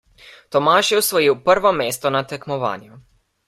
Tomaž je osvojil prvo mesto na tekmovanju.